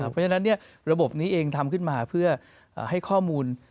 เพราะฉะนั้นระบบนี้เองทำขึ้นมาเพื่อให้ข้อมูล